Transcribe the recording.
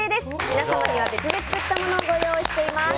皆様には別で作ったものをご用意しております。